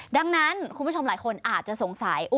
ดังนั้นคุณผู้ชมหลายคนอาจจะสงสัย